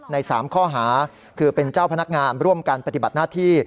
ใน๓ข้อหาคือเป็นเจ้าพนักงานร่วมกันปฏิบัติหน้าที่